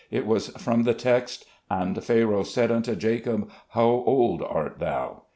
It was from the text, 'and Pharaoh said unto Jacob, how old art thou